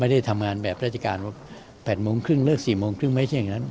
ได้ทำงานแบบราชการว่า๘โมงครึ่งเลิก๔โมงครึ่งไม่ใช่อย่างนั้น